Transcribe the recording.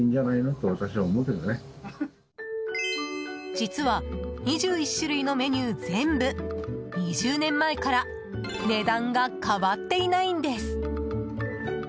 実は、２１種類のメニュー全部２０年前から値段が変わっていないんです。